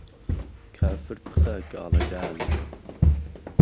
کافر پخه گاڵهگال